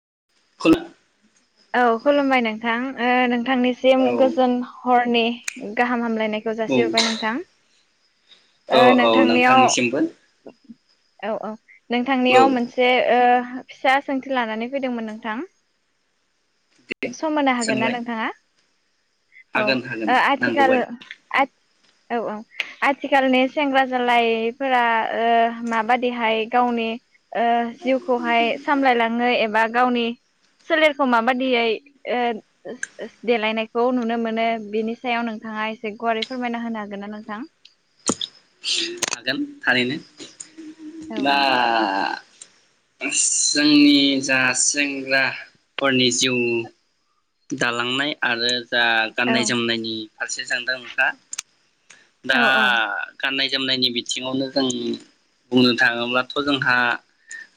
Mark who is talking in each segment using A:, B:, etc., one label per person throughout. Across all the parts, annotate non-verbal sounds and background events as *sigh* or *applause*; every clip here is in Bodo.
A: *unintelligible*
B: औ खुलुमबाय नोंथां। ओ नों थांनिसिम
A: औ
B: गोजोन हर नि गाहाम हामग्लायनाय खौ जासिहरबाय नोंथां।
A: औ
B: ओ
A: औ
B: नोंथांनियाव
A: नोंथांनिसिमबो
B: औ औ।
A: औ
B: नोंथांनियाव मोनसे ओ फिसा सोंथि लानानै फैदोंमोन नोंथां।
A: दे
B: सम होनो हागोन
A: सोंलाय
B: ना नोंथाङा? औ ओ
A: हागोन हागोन
B: आथिखाल
A: नांगौबादि
B: आ औ औ आथ थिखालनि सेंग्रा जालायफोरा ओ माबादिहाय गावनि ओ जिउखौहाय सामलायलाङो एबा गावनि सोलेरखौ माबादियै ओ देलायनायखौ नुनो मोनो बिनि सायाव नोंथाङा एसे गुवारै फोरमायना होनो हागोन ना नोंथां?
A: हागोन थारैनो।
B: औ
A: ना जोंनि जा सेंग्राफोरनि जिउ दालांनाय आरो दा
B: औ
A: गाननाय जोमनायनि फारसे सोंदों नोंथाङा दा
B: औ
A: गाननाय जोमनायनि बिथिङावनो जों बुंनो थाङोब्लाथ' जोंहा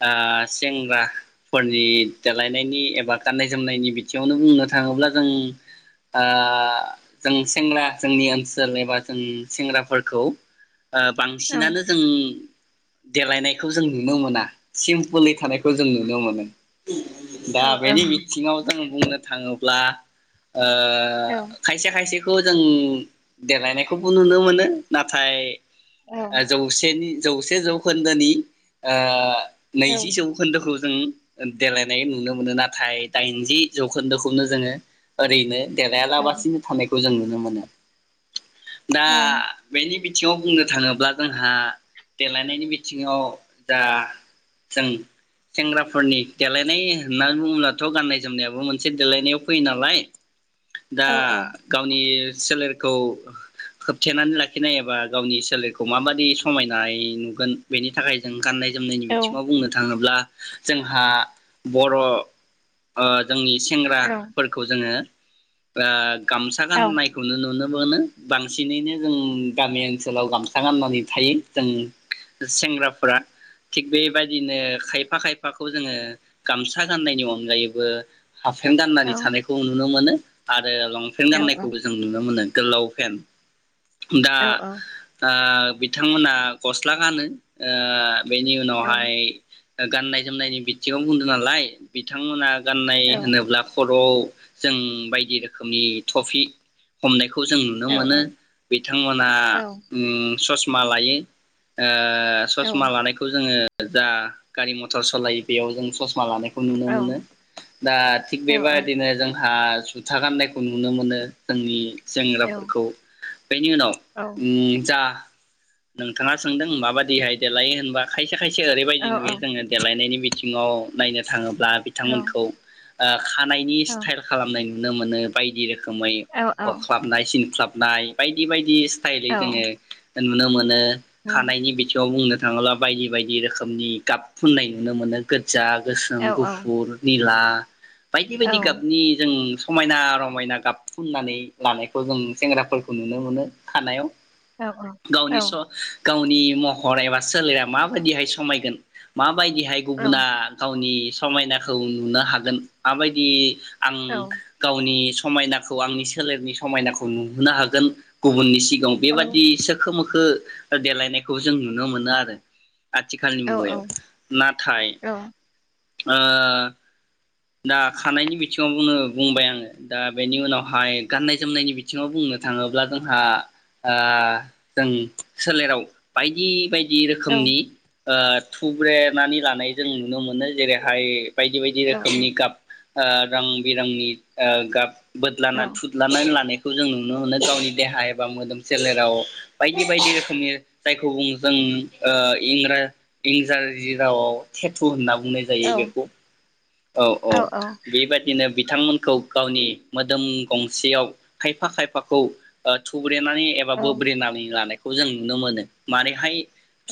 A: ओ सेंग्राफोरनि देलायनायनि एबा गाननाय जोमनायनि बिथिङावनो बुंनो थाङोब्ला जों ओ जों सेंग्रा जोंनि ओनसोल एबा जों सेंग्राफोरखौ ओ
B: औ
A: बांसिनानो जों देलायनायखौ जों नुनो मोना सिमपोलै थानायखौ जों नुनो मोनो।
B: औ
A: दा बेनि बिथिङाव जों बुंनो थाङोब्ला ओ
B: औ
A: खायसे खायसे खौ जों देलायनायखौबो नुनो मोनो नाथाय
B: औ
A: ओ जौसेनि जौसे जौखोन्दोनि ओ
B: औ
A: नैजिजौ खोन्दोखौ जों देलायनाय नुनो मोनो नाथाय दाइनजि जौखोन्दोखौनो जोङो ओरैनो देलाया लाबासिनो थानाय खौ जों नुनो मोनो। दा
B: औ
A: बेनि बि थिंयाव बुंनो थाङोब अब्ला जोंहा देलायनायनि बिथिङाव जा जों सेंग्राफोरनि देलायनाय होनना बुङोब्लाथ' गाननाय जोमनायाबो मोनसे देलायनायाव फैयो नालाय। दा
B: औ
A: गावनि सोलेरखौ होबथेनानै लाखिनाय एबा गावनि सोलेर खौ माबादि समायनाय नुगोन बेनि थाखाय जों गाननाय जोमनायनि बिथिङाव
B: औ
A: बुंनो थाङोब्ला जोंहा बर' ओ जोंनि सेंग्राफोरखौ जोङो *unintelligible* गामसा गाननायखौनो नुनो मोनो बांसिनैनो जों गामि ओनसोलाव गाम गामसा गाननानै थायो जों सेंग्राफोरा थिग बेबायदिनो खायफा खायफाखौ जोंङो गामसा गाननायनि अनगायैबो हापफेन गाननानै थानायखौ नुनो मोनो। आ ओ लंपेन्ट गाननायखौबो जों नुनो मोनो। गोलाव फेन
B: औ
A: दा दा बिथांमोना गस्ला गानो ओ बेनि उनावहाय गाननाय जोमनायनि बिथिङाव बुंदों नालाय बिथांमोना गाननाय होनोब्ला खर ' जों बायदि रोखोमनि तफि हमनायखौ खौ जों नुनो मोनो बिथांमोना ओम ससमा लायो ओ ओ ससमा लानायखौ जोंङो जा गारि मथर सलायो बेयाव जों ससमा लानाय नुनो
B: औ
A: मोनो दा थिग
B: औ औ
A: बेबायदिनो जों ओ जुथा गाननायखौ नुनो मोनो जोंनि
B: औ
A: सेंग्राफोरखौ बेनि उनाव
B: औ
A: उम था नोंथाङा सोंदों माबायदि देलाय होनबा खाय खायसे
B: औ
A: रैबायदि नुयो जोंङो देलायनायनि बिदि आथिङाव नायनो थाङोब्ला ब्ला
B: औ
A: बिथांमोनखौ ओ खानायनि
B: औ
A: स्टाइल खालामनाय नु नुनो मोनो बायदि रो खोमै
B: औ औ
A: अख्लाबनाय सिनख्लाब नाय बायदि बायदि
B: औ
A: बायदि जोंङो नुनो मोनो खानायनि बिथिङाव बुंनो *unintelligible* बायदि बायदि रोखोमनि गाब फुननाय नुनो मोनो गोदो जा, गोसोम,
B: औ औ
A: गुफुर, निला *inaudible* बायदि बायदि
B: औ
A: गाबनि जों समायना रमायना गाब फुननानै लानायखौ जों सेंग्राफोरखौ नुनो मोनो खानायाव।
B: औ औ
A: गावनिस' गावनि महर एबा सोलेरा माबायदिहाय समायगोन मा बायदिहाय गुबुना गावनि समायनाखौ नुनो हागोन माबायदि आं गावनि समायनाखौ आंनि सोलेरनि समायनाखौ नुहोनो हागोन गुबुननि सि *unintelligible* बेबादि सोर खो मोखो देलायनायखौ जों नुनो मोनो आरो आथिखालनि मुगायाव नाथाय ओ दा खानायनि बिथिङावनो बुंबाय आङो दा बेनि उनावहाय गाननाय जोमनायनि बिथिङाव बुंनो थाङोब्ला जोंहा ओ जों सोलेराव बायदि बाय दि रोखोमनि ओ थुब्रेनानै लानाय जों नुनो मोनो जेरैहाय बायदि बायदि रोखोमनि गाफ ओ रं बिरंनि ओ गाब बोदलाना थुदलानानै लानाय खौ जों नुनो मोनो गावनि देहा एबा मोदोम सोलेराव बायदि बायदि रोखोमनि जायखौ बुङो जों ओ इंरा इंजाजि रावाव थेथु होनना बुंनाय जायो बेखौ औ औ बेबायदिनो बिथांमोनखौ गावनि मोदोम गंसेयाव खायफा खायफाखौ ओ थु ब्रेनानै एबा बोब्रेनानै लानायखौ जों नुनो मोनो मानेहाय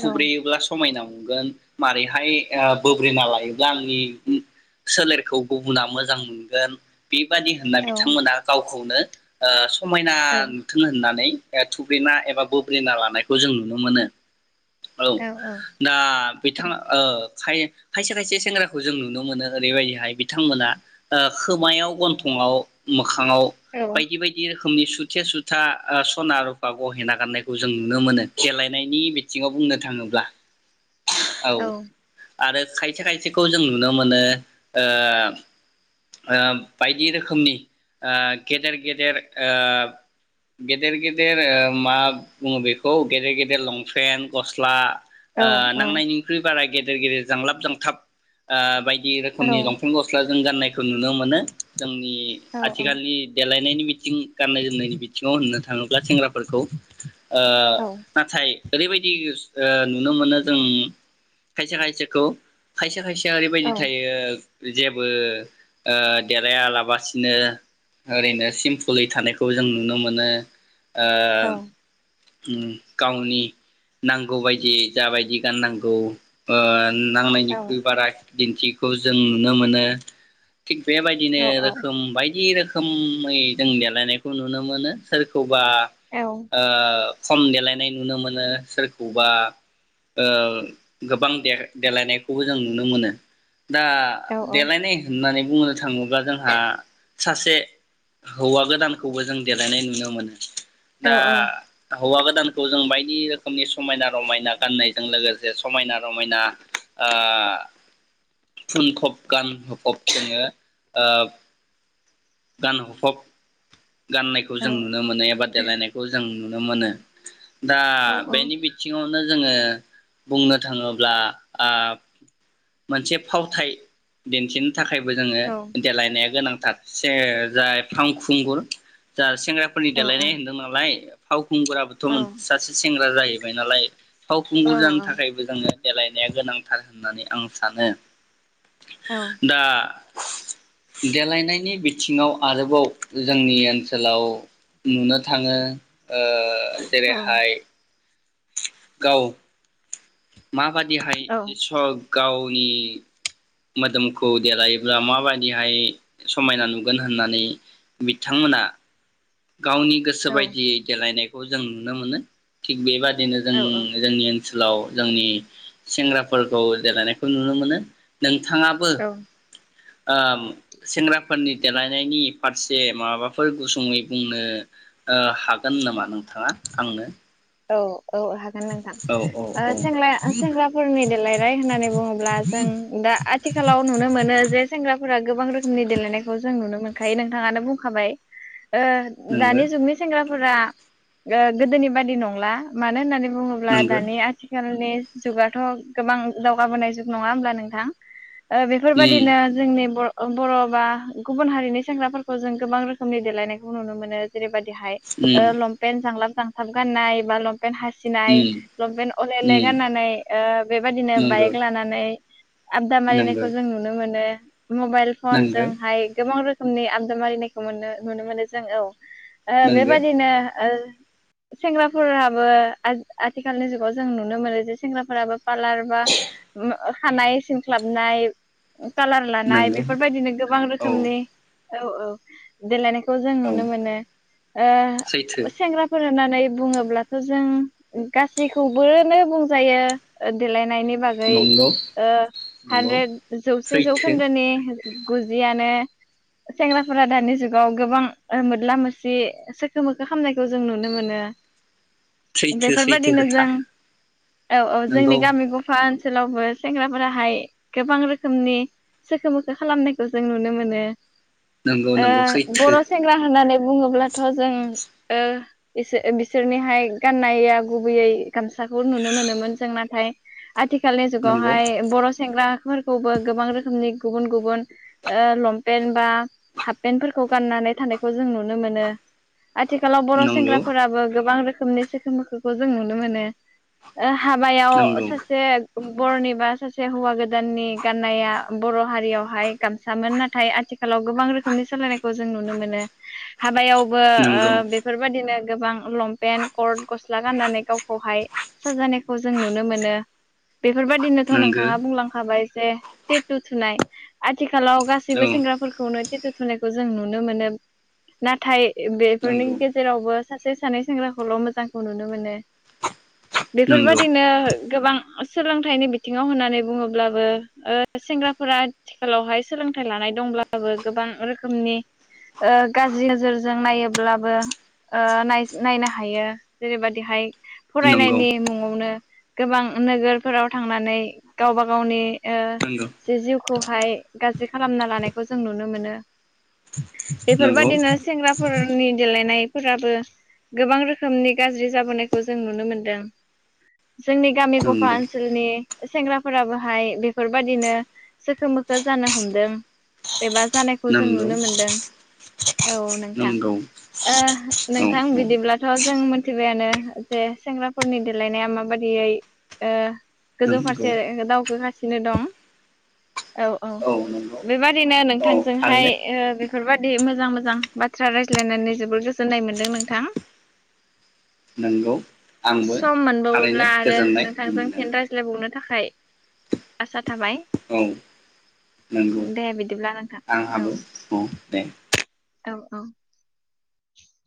A: थुब्रेयोब्ला समायना नुगोन मारैहाय ओ बोब्रेना लायोब्ला आंनि सोलेरखौ गुबुना मोजां मोनगोन बेबादि होनना बिथांमोना गावखौनो ओ समायना नुथों होननानै ओ थुब्रेना एबा बुब्लिना लानायखौ जों नुनो मोनो। औ दा बिथां ओ खाय खायसे खायसे सेंग्राखौ जों नुनो मोनो ओरैबायदिहाय बिथांमोना ओ खोमायाव गन्थंआव मो खाङाव बायदि बायदि रो खोमनि सुथे सुथा सना रुफा गहेना गाननाय खौ जों नुनो मोनो देलेनायनि बिथिङाव बुंनो थाङोब्ला।
B: औ
A: आरो खायसे खायसेखौ जों नुनो मोनो ओ ओ बायदि रोखोमनि ओ गेदेर गेदेर ओ गेदेर गेदेर ओ मा बुङो बेखौ गेदेर गेदेर लंपेन्ट, गस्ला ओ नांनायनिख्रुइ बारा गेदेर गेदेर जांलाब जांथाब ओ बाय दि रोखोमनि लंपेन्ट, गस्ला जों गाननायखौ नुनो मोनो। जोंनि आथिखालनि देलाय नायनि बिथिं गाननाय जोमनायनि बिथिङाव होननो थाङोब्ला सेंग्राफोरखौ। ओ नाथाय ओरैबायदि ओ नुनो मोनो जों खायसे खायसेखौ खायसे खायसेया ओरैबायदि थायो जेबो ओ देलायालाबासिनो ओरैनो सिमपोलै थानायखौ जों नुनो मोनो। ओ उम गावनि नांगौ बायदि जाबायदि गाननांगौ ओ नांनायनिख्रुइ बारा दिन्थिखौ जों नुनो मोनो। थिक बेबायदिनो रोखोम बायदि रोखो खोमै जों देलायनायखौ नुनो मोनो सोरखौ बा ओ खम देलायनाय नुनो मोनो सोरखौबा ओ गोबां दे-देलायनायखौबो जों नुनो मोनो। दा देलायनाय होननानै बुंनो थाङोब्ला जोंहा सासे हौवा गोदानखौबो जों देलायनाय नुनो मोनो। दा हौवा गोदानखौ जों बायदि रोखोमनि समायना रमायना गाननायजों लोगोसे समायना रमायना ओ फुनखब गानहब जोङो ओ गानहब गाननायखौ जों नुनो मोनो एबा देलायनायखौ जों नु नो मोनो। दा बेनि बिथिङावनो जोङो बुंनो थाङोब्ला ओ मोनसे फावथाय दिन्थिन थाखायबो जोङो देलायनाया गोनां। दाबसे जाय फांखुंगुर जा सेंग्राफोरनि देलायनाय होन्दों नालाय। फाव खुंगुराबोथ'मोन सासे सेंग्रा दा जाहैबाय नालाय। फावखुंगुर जानो थाखायबो जोङो। देलायनाया गोनांथार होननानै। आं सानो। दा देलायनायनि बिथिङाव आरोबाव जोंनि ओनसोलाव नुनो थाङो ओ जेरैहाय गाउ *inaudible* माबादिहाय
B: औ
A: स गाव गावनि मोदोमखौ देलायोब्ला माबायदिहाय समायना नुगोन होननानै बिथांमोना गावनि गोसो
B: औ
A: बायदियै देलायनाय खौ जों नुनो मोनो थिग बेबाद बिदिनो जों
B: औ
A: जोंनि ओन ओनसोलाव जोंनि सेंग्राफोरखौ देलायनायखौ नुनो मोनो नों थाङाबो
B: औ
A: ओम सेंग्राफोरनि देलायनायनि फारसे माबाफोर गुसुङै बुंनो ओ हागोन नामा नोंथाङा आंनो
B: औ औ हागोन नोंथां
A: औ औ
B: ओ
A: औ
B: सेंग्लाया सेंग्राफोरनि देलायनाय होननानै बुङोब्ला जों दा आथिखालाव नुनो मोनो जे सेंग्राफोरा गोबां रोखोमनि देलेनायखौ जों नुनो मोनखायो नोंथाङानो बुंखाबाय। ओ
A: नोंगो
B: दानि जुगनि सेंग्रा फोरा ओ गोदोनि बादि नङ होनला मानो होननानै बु बुङोब्ला
A: नोंगो
B: दानि आथिखाल नि जुगाथ' गोबां दावगाबोनाय जुग नङा होमब्ला नोंथां। ओ
A: उम
B: बेफोरबायाददिनो जोंनि बर' ओ बर' बा गुबुन हारिनि सेंग्राफोरखौ जों गोबां रोखोमनि देलायनायखौ नुनो मोनो जेरैबाद हाय
A: उम
B: ओ लपेन जांलाप मोजांथाब गाननाय मानब पेन्ट हासिनाय
A: उम
B: लंपेनन्ट अलेले
A: उम
B: गाननानै ओ बेबादिनो
A: नोंगो
B: बाइक लानानै आबदा
A: नोंगो
B: मारिनायखौ जों नुनो मोनो। मबाइल फन
A: नोंगो
B: जोंहाय गोबां रोख रोखोमनि आमदाम मारिनायखौ मोनो नुनो मोनो जों औ ओ
A: नोंगो
B: बेबादिनो ओ सेंग्रा फोराबो आथ-आथिखालनि जुगाव जों नुनो मोनो जे सेंग्राफोराबो पालार बा मा खानाय सिन ख्लाबनाय कालार लानाय
A: नंगौ
B: बेफोरबायदिनो गोबां
A: औ
B: रोखोमनि औ औ देलाय नों खौ जों
A: औ
B: नुनो मोनो
A: सैथो
B: ओ सेंग्राफोरा होननानै बुङो अब्लाथ' जों गासैखौबोनो बुंजायो देलायनायनि बागै
A: नंगौ
B: ओ
A: नंगौ
B: हानद्रेद जौसे
A: सैथो
B: जौखोन्दोनि गुजियानो सेंग्राफोरा दानि जुगाव गोबां ओ मोदला मोसि सोखो मोखो खालामामनायखौ जों नुनो मोनो।
A: सैथो सैथो
B: बेफोरबायदिनो
A: खोथा
B: जों औ औ जोंनि
A: नंगौ
B: गामि गफा ओन सोलावबो सेंग्राफोराहाय गोबां रोखोमनि सोखो मोखो खालामनायखौ जों नुनो मोनो।
A: नंगौ
B: ओ
A: नंगौ सैथो
B: बर' सेंग्रा होननानै बुङोब्लाथ' जों ओ बिस-बिसोरनि हाय गाननाया गुबैयै गामसाखौ नुनो मोनोमोन जों नाथाय आथिखालनि
A: नंगौ
B: जुगावहाय बर' सेंग्रा फोरखौबो गोबां रोखोमनि गुबुन गुबुन ओ लंपेन्ट बा हाफपेन्टफोरखौ गाननानै थानायखौ जों नुनो मोनो। आथिखालाव बर'
A: नंगौ
B: सेंग्राफोराबो गोबां रोख खोमनो सोखो मोखोखौ जों नुनो मोनो। आ हाबायाव
A: नंगौ
B: सासे बर'नि बा सासे हौवा गोदाननि गाननाया बर' हारियावहाय गामसामोन नाथाय आथिखालाव गोबां रोखोमनि सोलायनायखौ जों नुनो मोनो हाबायाव बो ओ
A: नंगौ
B: बेफोरबादिनो गोबां लंपेन्ट करथ गस्ला गाननानै गावखौहाय साजानायखौ जों नुनो मोनो। बेफोरबायादिनोथ'
A: नंगौ
B: नोंथाङा बुंलांखाबाय जे तेतू तुनाय आथिख खालाव गासैबो
A: औ
B: सेंग्राफोरखौनो तेतु थुनायखौ जों नुनो मोनो। नाथाय बेफोरनि
A: नंगौ
B: गेजेरावबो सासे सानै सेंग्रा खौल' मोजांखौ नुनो मोनो
A: नंगौ
B: बेफोरबादिनो गोबां सोलोंथाइनि बिथिङाव होननानै बुङोब्लाबो ओ सेंग्राफोरा आथिखालावहाय सोलोंथाइ लानाय दंब्लाबो गोबां रोखोमनि ओ गाज्रि नोजोरजों नायोब्लाबो ओ नाय नायनो ह हायो जेरैबादिहाय
A: नंगौ
B: फरायनायनि मुङावनो गोबां नोगोरफोराव थांनानै गावबा गावनि ओ जे जिउ खौहाय गाज्रि खालामना लानायखौ जों नुनो मोनो।
A: नंगौ
B: बेफोरबादिनो सेंग्राफोरनि देलायनाय फोराबो गोबां रोखोमनि गाज्रि जाबोनायखौ जों नुनो मोनदों। जोंनि गामि गफा
A: नंगौ
B: ओनसोलनि सेंग्राफोराबोहाय बेफोरबादिनो सोखो मोखो जानो हमदों एबा जानायखौ जों
A: नंगौ
B: नुनो मोनदों। औ नोंथां
A: नंगौ नंगौ
B: ओ
A: औ
B: नोंथां
A: औ
B: बिदि थ जों मोन जियानो जे सेंग्राफोरनि देलायनाया माबादियै ओ गोजौ
A: नंगौ
B: फारसे दावखो सिनोे दं। औ औ बेबादिनो
A: औ थारैनो
B: नोंथांजोंहाय ओ बेफोरबादि मो मोजां मोजां बाथ्रा रायज्लायनानै जोबोर गोजोननाय मोनदों नोंथां।
A: नंगौ आंबो
B: सम
A: थारैनो
B: मोनबावोब्ला आरो
A: गोजोननाय
B: नोंथांजों
A: मोनदों
B: फिन रायज्लायबावनो थाखाय आसा थाबाय
A: औ नोंगौ
B: दे बिदिब्ला नोंथां
A: आंहाबो औ दे।
B: औ औ।